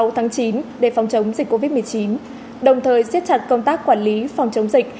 sáu tháng chín để phòng chống dịch covid một mươi chín đồng thời xiết chặt công tác quản lý phòng chống dịch